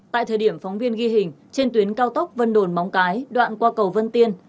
tại thời điểm phóng viên ghi hình trên tuyến cao tốc vân đồn móng cái đoạn qua cầu vân tiên